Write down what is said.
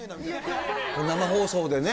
生放送でね。